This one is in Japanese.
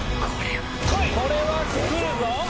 これはくるぞ！